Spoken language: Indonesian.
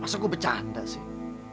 masa gue bercanda sih